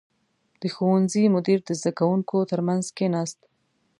• د ښوونځي مدیر د زده کوونکو تر منځ کښېناست.